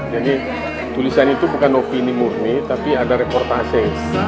jadi tulisan itu bukan opini murni tapi ada reportasi